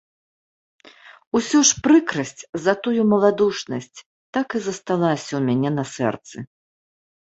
Усё ж прыкрасць за тую маладушнасць так і засталася ў мяне на сэрцы.